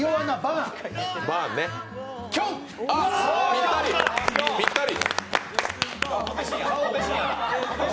ぴったり、ぴったり。